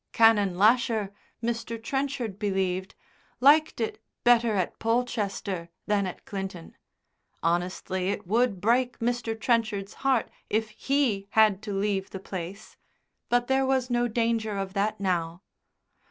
Canon Lasher, Mr. Trenchard believed, liked it better at Polchester than at Clinton. Honestly, it would break Mr. Trenchard's heart if he had to leave the place. But there was no danger of that now.